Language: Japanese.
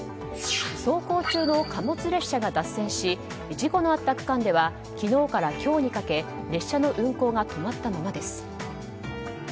走行中の貨物列車が脱線し事故のあった区間では昨日から今日にかけて列車の運行が止まったままです。